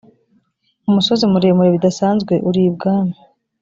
umusozi muremure bidasanzwe uri ibwami.